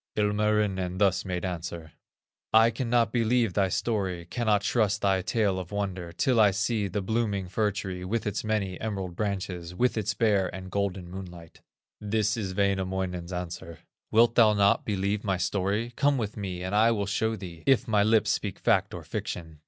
Ilmarinen thus made answer: "I cannot believe thy story, Cannot trust thy tale of wonder, Till I see the blooming fir tree, With its many emerald branches, With its Bear and golden moonlight." This is Wainamoinen's answer: "Wilt thou not believe my story? Come with me and I will show thee If my lips speak fact or fiction."